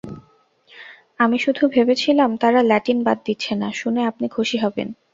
আমি শুধু ভেবেছিলাম, তারা ল্যাটিন বাদ দিচ্ছেনা শুনে আপনি খুশি হবেন।